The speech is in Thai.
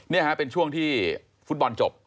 นี่ฮะเป็นช่วงที่ฟุตบอลจบ